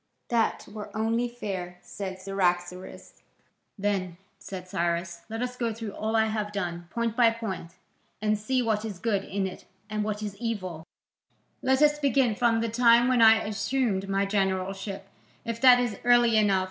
"That were only fair," said Cyaxares. "Then," said Cyrus, "let us go through all I have done, point by point, and see what is good in it and what is evil. Let us begin from the time when I assumed my generalship, if that is early enough.